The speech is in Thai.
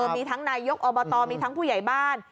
มีทั้งนายยกอบตมีทั้งผู้ใหญ่บ้าน